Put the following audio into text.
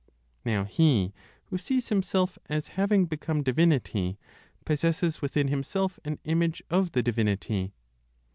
Now he who sees himself as having become divinity, possesses within himself an image of the divinity.